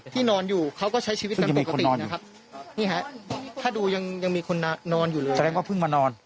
นอนอยู่เขาก็ใช้ชีวิตกันปกตินะครับนี่ฮะถ้าดูยังยังมีคนนอนอยู่เลยแสดงว่าเพิ่งมานอน